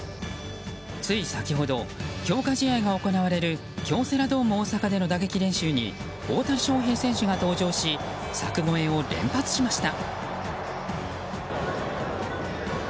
つい先ほど強化試合が行われる京セラドーム大阪での打撃練習に大谷翔平選手が登場し柵越えを連発しました。